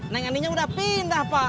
nenganinnya udah pindah pak